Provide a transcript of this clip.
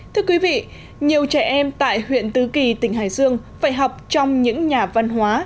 thưa quý vị nhiều trẻ em tại huyện tứ kỳ tỉnh hải dương phải học trong những nhà văn hóa